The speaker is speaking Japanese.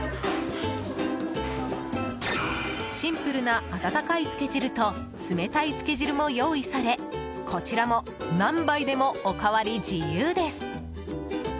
シンプルな温かいつけ汁と冷たいつけ汁も用意されこちらも何杯でもおかわり自由です。